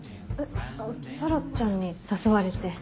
紗良ちゃんに誘われて。